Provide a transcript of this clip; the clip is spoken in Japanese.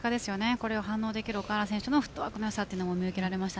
これに反応できる奥原選手のフットワークの軽さも感じました。